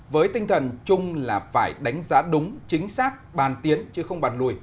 với tinh thần chung là phải đánh giá đúng chính xác bàn tiến chứ không bàn lùi